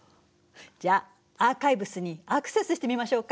じゃあアーカイブスにアクセスしてみましょうか。